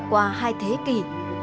qua hai thế kỷ